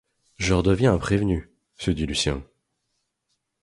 Je redeviens un prévenu! se dit Lucien.